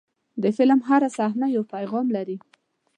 د فلم هره صحنه یو پیغام لري.